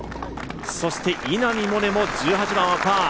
そして稲見萌寧も１８番はパー。